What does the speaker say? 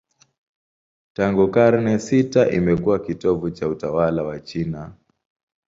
Tangu karne sita imekuwa kitovu cha utawala wa China.